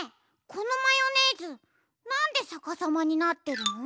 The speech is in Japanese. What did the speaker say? このマヨネーズなんでさかさまになってるの？